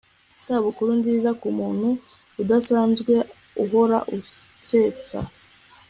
isabukuru nziza kumuntu udasanzwe uhora ansetsa